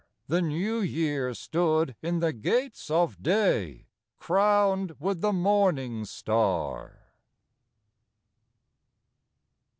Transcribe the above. The New Year stood in the gates of day, Crowned with the morning star.